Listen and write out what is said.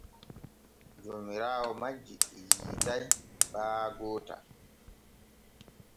Joomiraawo majji yiitay baa goota.